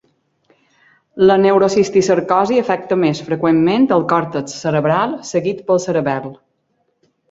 La neurocisticercosi afecta més freqüentment el còrtex cerebral seguit pel cerebel.